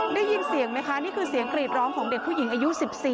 ได้ยินเสียงไหมคะนี่คือเสียงกรีดร้องของเด็กผู้หญิงอายุ๑๔